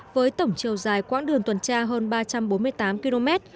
với tổng chiều dài quãng đường tuần tra hơn ba trăm bốn mươi tám km